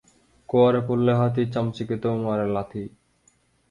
খোয়াড়ে পড়লে হাতি, চামচিকেতেও মারে লাথি।